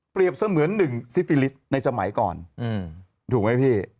เสมือน๑ซิฟิลิสต์ในสมัยก่อนถูกไหมพี่